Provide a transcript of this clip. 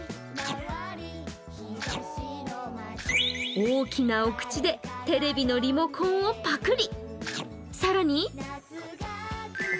大きなお口でテレビのリモコンをパクリ。